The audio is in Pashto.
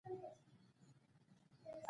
نوې جامې د خوښۍ احساس راولي